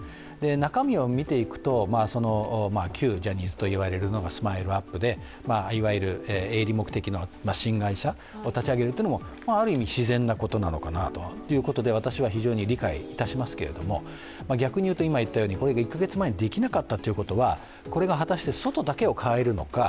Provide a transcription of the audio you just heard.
中身を見ていくと、旧ジャニーズといわれるのがＳＭＩＬＥ−ＵＰ．でいわゆる営利目的の新会社を立ち上げるというのも、ある意味自然なことなのかなということで私は非常に理解しますけれども、逆に言うと１か月前にできなかったということがこれが果たして外だけを変えるのか